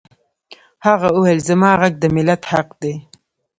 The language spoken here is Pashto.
هغه وویل زما غږ د ملت حق دی